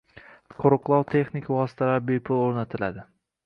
Qoʻriqlov texnik vositalari bepul oʻrnatiladi